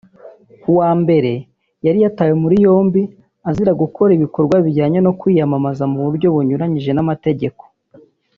Ku wa mbere yari yatawe muri yombi azira gukora ibikorwa bijyanye no kwiyamamaza mu buryo bunyuranyije n’amategeko